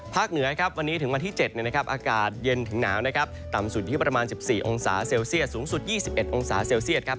เหนือครับวันนี้ถึงวันที่๗อากาศเย็นถึงหนาวนะครับต่ำสุดที่ประมาณ๑๔องศาเซลเซียสสูงสุด๒๑องศาเซลเซียตครับ